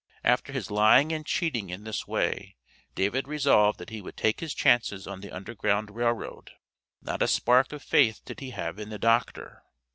After his "lying and cheating" in this way, David resolved that he would take his chances on the Underground Rail Road. Not a spark of faith did he have in the Doctor.